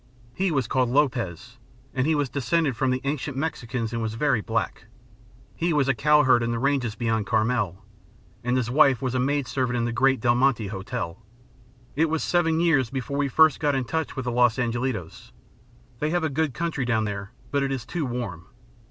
He was called Lopez, and he was descended from the ancient Mexicans and was very black. He was a cowherd in the ranges beyond Carmel, and his wife was a maidservant in the great Del Monte Hotel. It was seven years before we first got in touch with the Los Angelitos. They have a good country down there, but it is too warm.